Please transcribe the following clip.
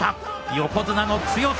横綱の強さ。